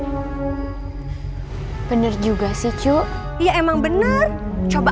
masa perempuan yang kerja suami yang urus anak